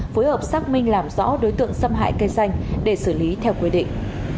phối hợp xác minh làm rõ đối tượng xâm hại cây xanh để xử lý theo quy định